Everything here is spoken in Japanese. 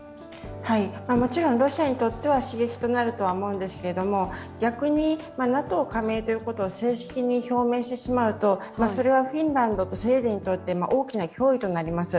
もちろん、ロシアにとっては刺激となると思うんですけど逆にＮＡＴＯ加盟ということを正式に表明してしまうとそれはフィンランドとスウェーデンにとって大きな脅威となります。